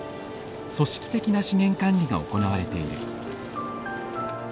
組織的な資源管理が行われている。